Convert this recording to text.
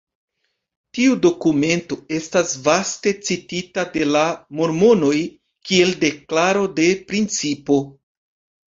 Tiu dokumento estas vaste citita de la mormonoj kiel deklaro de principo.